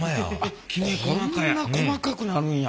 あっこんな細かくなるんや。